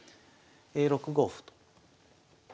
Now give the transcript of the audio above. ６五歩と。